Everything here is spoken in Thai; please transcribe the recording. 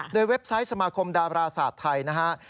โดยเว็บไซต์สมาคมดาราศาสตร์ไทยนะฮะ